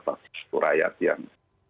vaksin ke rakyat yang